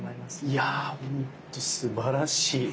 いやほんとすばらしい。